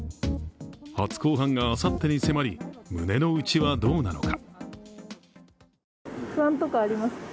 初公判があさってに迫り、胸のうちはどうなのか。